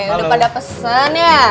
udah pada pesen ya